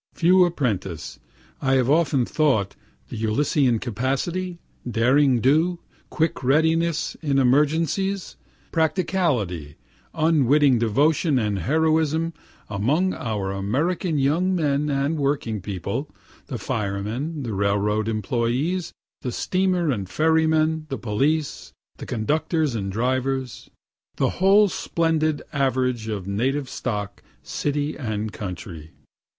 (Few appreciate, I have often thought, the Ulyssean capacity, derring do, quick readiness in emergencies, practicality, unwitting devotion and heroism, among our American young men and working people the firemen, the railroad employes, the steamer and ferry men, the police, the conductors and drivers the whole splendid average of native stock, city and country.)